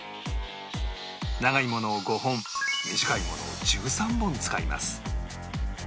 長いものを５本短いものを１３本使います